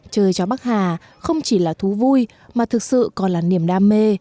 chơi chó bắc hà không chỉ là thú vui mà thực sự còn là niềm đam mê